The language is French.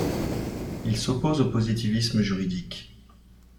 Il s'oppose au positivisme juridique.